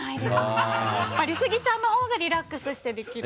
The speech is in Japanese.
やっぱりスギちゃんのほうがリラックスしてできる。